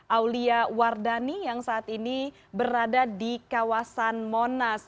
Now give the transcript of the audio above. aulia wardani yang saat ini berada di kawasan monas